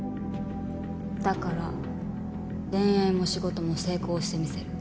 だから恋愛も仕事も成功してみせる。